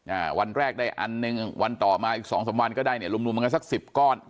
อ่าวันแรกได้อันหนึ่งวันต่อมาอีกสองสามวันก็ได้เนี่ยรวมรวมกันสักสิบก้อน